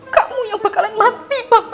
kamu yang bakalan mati bambang